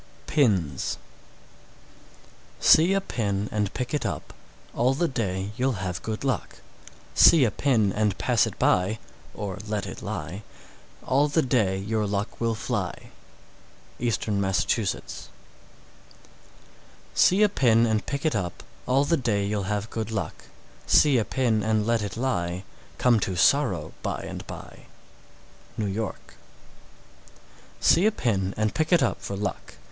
PINS. 637. See a pin and pick it up, All the day you'll have good luck; See a pin and pass it by (or "let it lie"), All the day your luck will fly. Eastern Massachusetts. 638. See a pin and pick it up, All the day you'll have good luck; See a pin and let it lie, Come to sorrow by and by. New York. 639. See a pin and pick it up for luck.